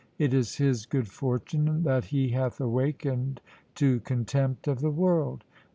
It is his good fortune that he hath awakened to contempt of the world.